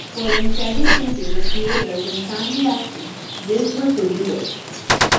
Following several changes of creators and fan reaction, this was soon reversed.